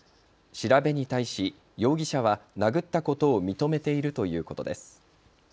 調べに対し容疑者は殴ったことを認めているということです。